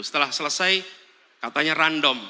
setelah selesai katanya random